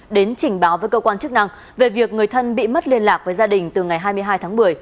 đến trình báo với cơ quan chức năng về việc người thân bị mất liên lạc với gia đình từ ngày hai mươi hai tháng một mươi